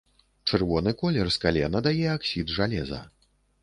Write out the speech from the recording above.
Чырвоны колер скале надае аксід жалеза.